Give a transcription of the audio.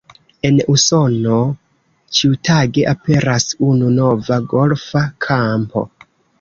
En Usono ĉiutage aperas unu nova golfa kampo.